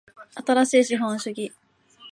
新しい資本主義